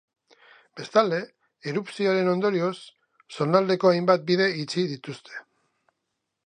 Bestalde, erupzioaren ondorioz, zonaldeko hainbat bide itxi dituzte.